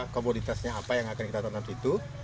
komoditasnya apa yang akan kita tonat itu